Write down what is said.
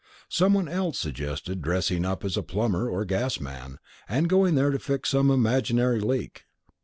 Someone else suggested dressing up as a plumber or gas man, and going there to fix some imaginary leak.